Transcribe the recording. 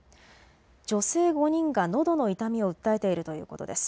女性５人がのどの痛みを訴えているということです。